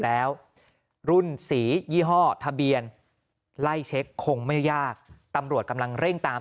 แล้วรุ่นสียี่ห้อทะเบียนไล่เช็คคงไม่ยากตำรวจกำลังเร่งตาม